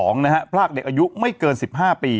๒นะฮะพลากเด็กอายุไม่เกิน๑๕ปี